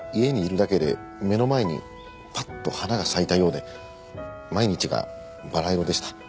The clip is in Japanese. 家にいるだけで目の前にパッと花が咲いたようで毎日がバラ色でした。